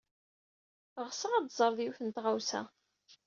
Ɣseɣ ad teẓred yiwet n tɣawsa.